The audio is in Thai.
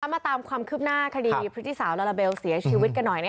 มาตามความคืบหน้าคดีพฤติสาวลาลาเบลเสียชีวิตกันหน่อย